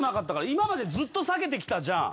今までずっと避けてきたじゃん。